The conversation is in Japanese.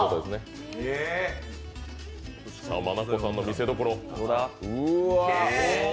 眞子さんの見せどころ。